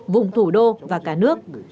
vùng thủ đô và cả nước